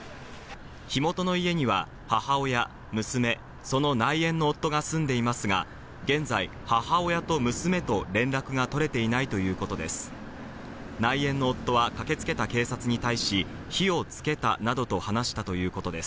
火元の家には母親、娘、その内縁の夫が住んでいますが、現在、母親と娘と連絡が取れていないということです。